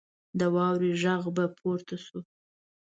د واورې غږ به پورته شو.